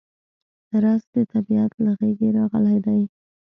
رس د طبیعت له غېږې راغلی دی